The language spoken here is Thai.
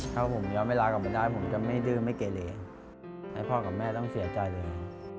ถ้าผมย้อนเวลากลับมาได้ผมจะไม่ดื้อไม่เกเลให้พ่อกับแม่ต้องเสียใจเลย